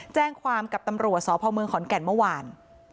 แจ้งความกับตำรวจสพเมืองขอนแก่นเมื่อวาน